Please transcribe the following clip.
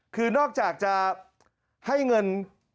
คือนอกจากจะให้เงิน